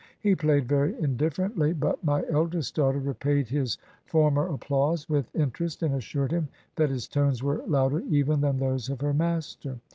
He played very indifferently ; but my eldest daughter repaid his former applause with in terest, and assured him that his tones were louder even than those of her master.